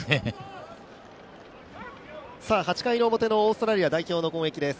８回の表のオーストラリア代表の攻撃です。